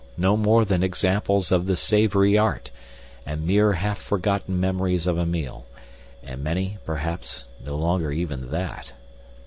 No more than examples of the savoury art, and mere half forgotten memories of a meal; and many, perhaps, no longer even that.